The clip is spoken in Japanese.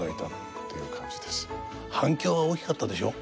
反響は大きかったでしょ？